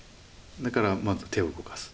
だからまず手を動かす。